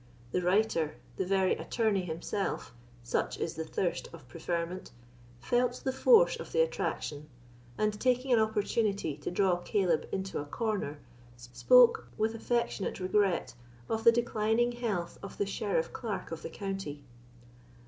The writer—the very attorney himself, such is the thirst of preferment—felt the force of the attraction, and taking an opportunity to draw Caleb into a corner, spoke, with affectionate regret, of the declining health of the sheriff clerk of the county.